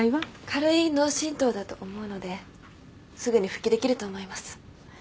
軽い脳振とうだと思うのですぐに復帰できると思います。